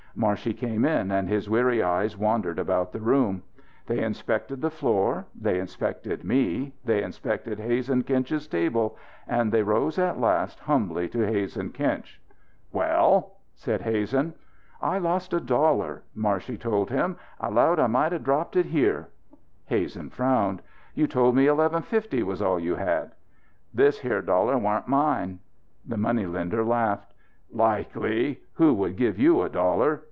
Marshey came in and his weary eyes wandered about the room. They inspected the floor; they inspected me; they inspected Hazen Kinch's table, and they rose at last humbly to Hazen Kinch. "Well?" said Hazen. "I lost a dollar," Marshey told him. "I 'lowed I might have dropped it here." Hazen frowned. "You told me eleven fifty was all you had." "This here dollar wa'n't mine." The money lender laughed. "Likely! Who would give you a dollar?